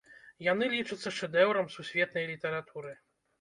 Яны лічацца шэдэўрам сусветнай літаратуры.